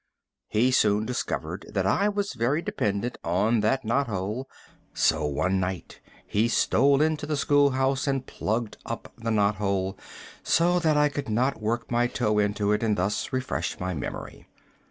He soon discovered that I was very dependent on that knot hole, and so one night he stole into the school house and plugged up the knot hole, so that I could not work my toe into it and thus refresh my memory.